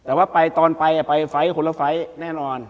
แต่ว่าไปตอนไปไปไฟล์คนละไฟล์แน่นอน